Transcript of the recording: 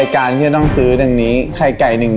๒ข้างพร้อมกันเร็ว๑๒๓